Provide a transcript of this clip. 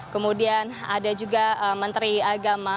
kemudian ada juga menteri agama